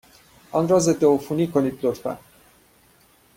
آن را ضدعفونی کنید، لطفا.